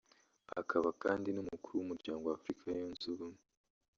akaba kandi n’Umukuru w’Umuryango wa Afurika Yunze Ubumwe